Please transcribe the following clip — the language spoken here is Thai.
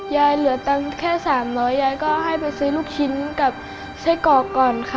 ยายเหลือตังค์แค่สามร้อยยายก็ให้ไปซื้อลูกชิ้นกับไช่กอกก่อนค่ะ